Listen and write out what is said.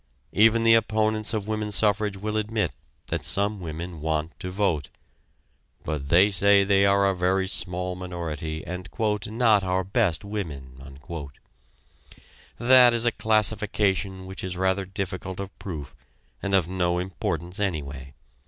Even the opponents of woman suffrage will admit that some women want to vote, but they say they are a very small minority, and "not our best women." That is a classification which is rather difficult of proof and of no importance anyway.